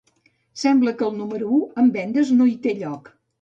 Sembla que el número u en vendes no hi té lloc.